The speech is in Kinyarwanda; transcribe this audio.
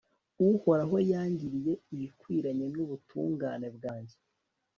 uhoraho yangiriye ibikwiranye n'ubutungane bwanjye